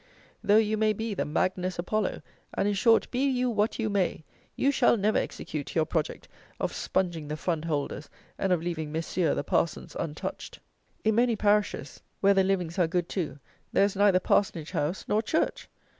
though you may be the Magnus Apollo; and, in short, be you what you may, you shall never execute your project of sponging the fund holders and of leaving Messieurs the Parsons untouched! In many parishes, where the livings are good too, there is neither parsonage house nor church!